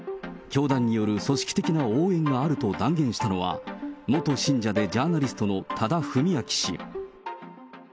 教団による組織的な応援があると断言したのは、元信者でジャーナリストの多田文明氏。